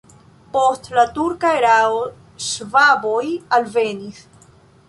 Post la turka erao ŝvaboj alvenis.